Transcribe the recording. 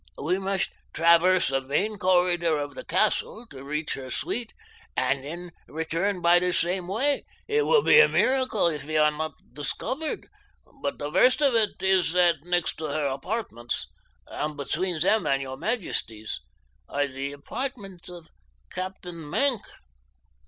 "We must traverse a main corridor of the castle to reach her suite, and then return by the same way. It will be a miracle if we are not discovered; but the worst of it is that next to her apartments, and between them and your majesty's, are the apartments of Captain Maenck.